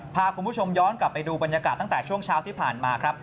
พาคุณผู้ชมย้อนกลับไปดูบรรยากาศตั้งแต่ช่วงเช้าที่ผ่านมาครับ